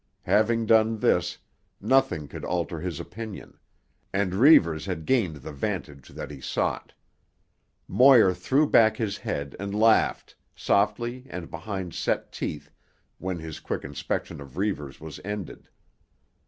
Having done this, nothing could alter his opinion; and Reivers had gained the vantage that he sought. Moir threw back his head and laughed, softly and behind set teeth, when his quick inspection of Reivers was ended.